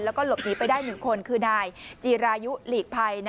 แล้วก็หลบหนีไปได้๑คนคือนายจีรายุหลีกภัย